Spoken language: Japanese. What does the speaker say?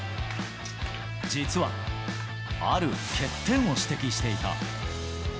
実は、ある欠点を指摘していた。